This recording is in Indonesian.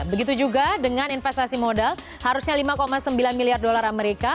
begitu juga dengan investasi modal harusnya lima sembilan miliar dolar amerika